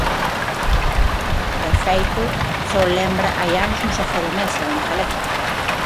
De feito, só lembra hai anos un xogo de mesa en galego.